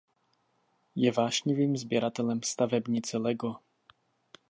Je vášnivým sběratelem stavebnice Lego.